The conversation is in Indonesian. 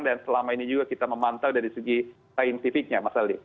dan selama ini juga kita memantau dari segi saintifiknya mas aldi